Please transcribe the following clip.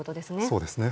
そうですね。